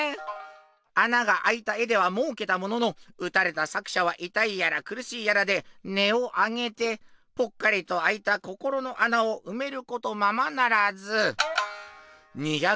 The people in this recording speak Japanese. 穴があいた絵ではもうけたものの撃たれた作者は痛いやら苦しいやらで音を上げてぽっかりとあいた心の穴をうめることままならず。